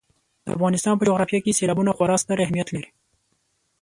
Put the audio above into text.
د افغانستان په جغرافیه کې سیلابونه خورا ستر اهمیت لري.